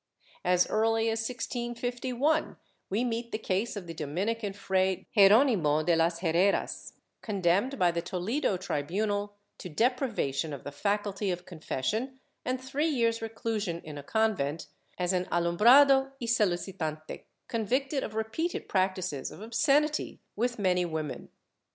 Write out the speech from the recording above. As early as 1651 we meet the case of the Dominican Fray Geronimo de las Herreras, condemned by the Toledo tribunal to deprivation of the faculty of confession and three years' reclu sion in a convent, as an ''alumbrado y solicitante," convicted of repeated practices of obscenity with many women.